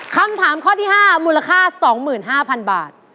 คำถามข้อที่๕มูลค่า๒๕๐๐๐บาท